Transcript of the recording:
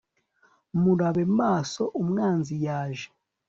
murabe maso umwanzi yaje